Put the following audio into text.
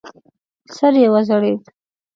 سر یې وځړېد.